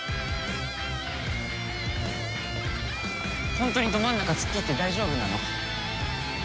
ホントにど真ん中突っ切って大丈夫なの？